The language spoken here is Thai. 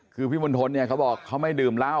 คือพี่มณฑลเนี่ยเขาบอกเขาไม่ดื่มเหล้า